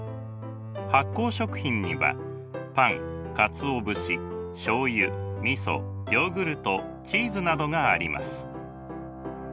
発酵食品にはパンかつお節しょうゆみそヨーグルトチーズなどがあります。